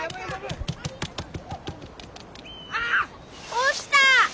落ちた！